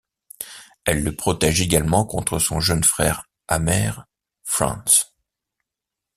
Elle le protège également contre son jeune frère amer, Franz.